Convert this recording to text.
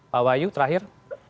pak wayu terakhir